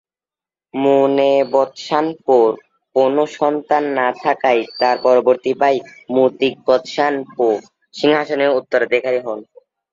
মু-নে-ব্ত্সান-পোর কোন সন্তান না থাকায় তাঁর পরবর্তী ভাই মু-তিগ-ব্ত্সান-পো সিংহাসনের উত্তরাধিকারী হন।